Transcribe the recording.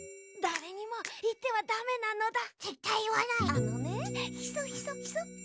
あのねヒソヒソヒソ。